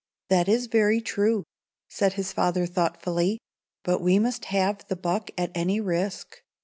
"That is very true," said his father, thoughtfully. "But we must have the buck at any risk.